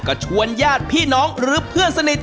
ก็ชวนญาติพี่น้องหรือเพื่อนสนิท